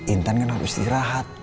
intan kan harus istirahat